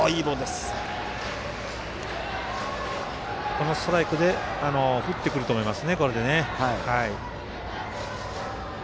このストライクで振ってくると思います。